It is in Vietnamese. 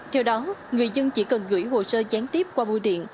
theo đó người dân chỉ cần gửi hồ sơ gián tiếp qua bu điện